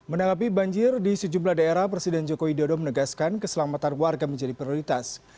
menanggapi banjir di sejumlah daerah presiden joko widodo menegaskan keselamatan warga menjadi prioritas